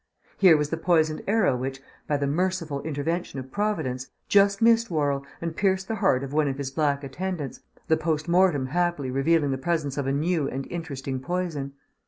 Here was the poisoned arrow which, by the merciful intervention of Providence, just missed Worrall and pierced the heart of one of his black attendants, the post mortem happily revealing the presence of a new and interesting poison.